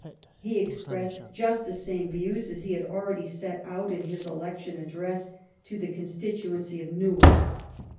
He expressed just the same views as he had already set out in his election address to the constituency of Newark.